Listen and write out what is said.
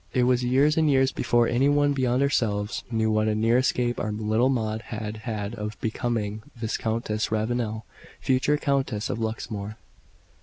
It was years and years before any one beyond ourselves knew what a near escape our little Maud had had of becoming Viscountess Ravenel future Countess of Luxmore.